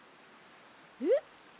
えっ？